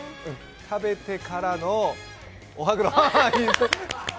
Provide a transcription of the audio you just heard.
食べてからのお歯黒。